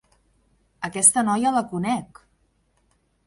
Aquesta noia la conec!